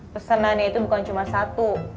pesanan ya itu bukan cuma satu